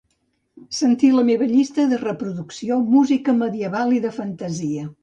Sentir la meva llista de reproducció "Música Medieval i de Fantasia".